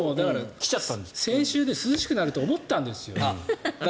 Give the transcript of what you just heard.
先週で涼しくなると思ったんですよ。